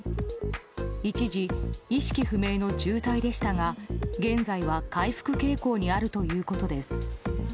一時、意識不明の重体でしたが現在は回復傾向にあるということです。